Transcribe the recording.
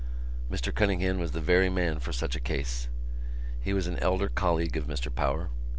Mr Cunningham was the very man for such a case. He was an elder colleague of Mr Power.